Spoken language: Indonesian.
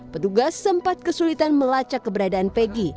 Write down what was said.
petugas sempat kesulitan melacak keberadaan pegi